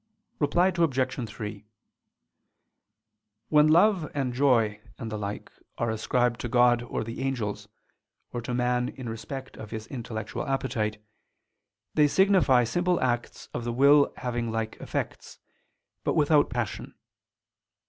Reply Obj. 3: When love and joy and the like are ascribed to God or the angels, or to man in respect of his intellectual appetite, they signify simple acts of the will having like effects, but without passion.